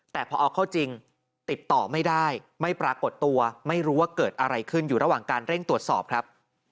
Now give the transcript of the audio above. แต่พอเอาเข้าจริงติดต่อไม่ได้ไม่ปรากฏตัวไม่รู้ว่าเกิดอะไรขึ้นอยู่ระหว่างการเร่งตรวจสอบครับ